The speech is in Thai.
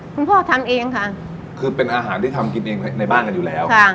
คุณพ่อทำเองค่ะคือเป็นอาหารที่ทำกินเองในบ้านกันอยู่แล้วค่ะ